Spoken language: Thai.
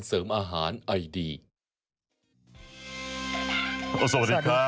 สวัสดีครับ